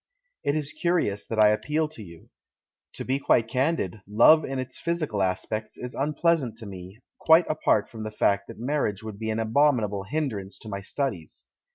It is curious that I appeal to you. To be quite candid, love in its physical aspects is un pleasant to me, quite apart from the fact that marriage would be an abominable hindrance to my studies.